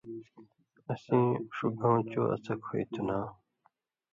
اسیں ݜُو گھؤں چو اڅھکوۡ ہُوئ تُھو نا